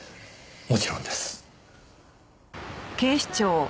もちろんです。